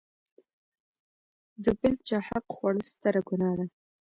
د بل چاحق خوړل ستره ګناه ده.